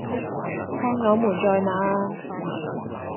看我們在那呀？